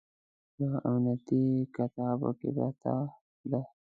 یوه امنیتي قطعه پکې پرته ده.